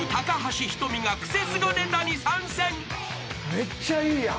めっちゃいいやん。